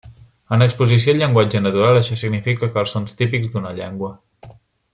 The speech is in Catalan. En l'exposició al llenguatge natural això significa que els sons típics d'una llengua.